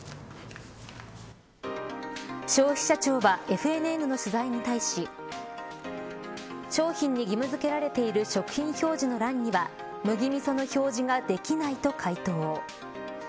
消費者庁はＦＮＮの取材に対し商品に義務付けられている食品表示の欄には麦みその表示ができないと回答。